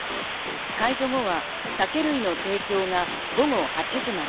解除後は酒類の提供が午後８時まで。